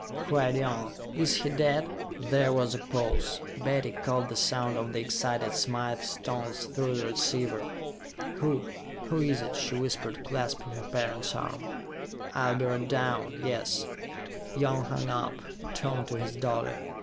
cried Young. "Is he dead?" There was a pause; Betty caught the sound of the excited Smythe's tones through the receiver. "Who who is it?" she whispered, clasping her parent's arm. "I'll be right down, yes." Young hung up, turned to his daughter.